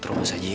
terobos aja ya